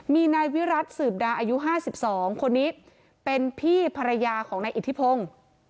มีนายวิรัติสืบดาอายุ๕๒คนนี้เป็นพี่ภรรยาของนายอิทธิพงศ์